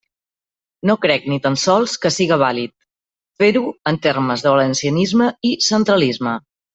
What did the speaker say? No crec, ni tan sols, que siga vàlid fer-ho en termes de valencianisme i centralisme.